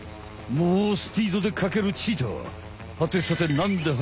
もうスピードでかけるチーター。